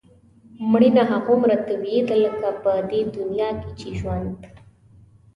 مړینه هغومره طبیعي ده لکه په دې دنیا کې چې ژوند.